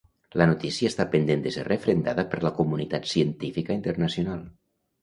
La notícia està pendent de ser refrendada per la comunitat científica internacional.